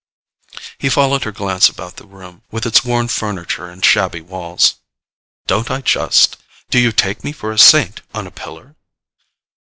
He followed her glance about the room, with its worn furniture and shabby walls. "Don't I just? Do you take me for a saint on a pillar?"